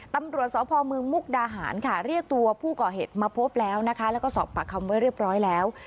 ตำรวจสพมมุกดาหารเรียกตัวผู้เกาะเหตุมาพบแล้วแล้วก็สอบประคำไว้เรียบร้อยแล้ว